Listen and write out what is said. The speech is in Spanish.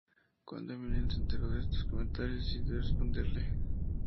Cuando Eminem se enteró de estos comentarios, decidió responderle.